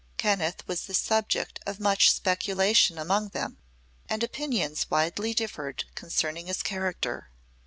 Kenneth was the subject of much speculation among them, and opinions widely differed concerning his character.